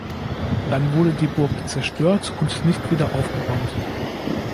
Dann wurde die Burg zerstört und nicht wieder aufgebaut.